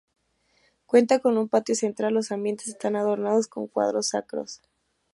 Cuenta con un patio central y los ambientes están adornados con cuadros sacros.